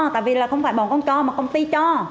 tại vì là không phải bỏ con cho mà công ty cho